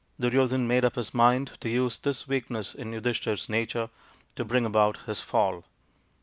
Duryodhan made up his mind to use this weakness in Yudhishthir's nature to bring about his fall.